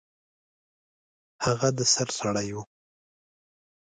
هغه د سر سړی و.